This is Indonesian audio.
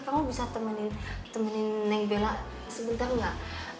kamu bisa temenin neng bella sebentar nggak